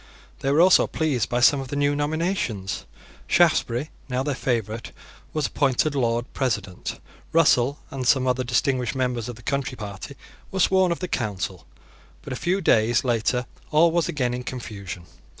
They were also pleased by some of the new nominations. Shaftesbury, now their favourite, was appointed Lord President. Russell and some other distinguished members of the Country Party were sworn of the Council. But a few days later all was again in confusion.